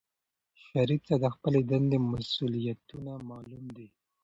شریف ته د خپلې دندې مسؤولیتونه معلوم دي.